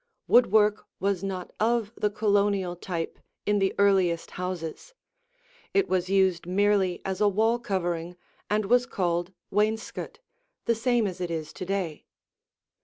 Woodwork was not of the Colonial type in the earliest houses; it was used merely as a wall covering and was called wainscot, the same as it is to day.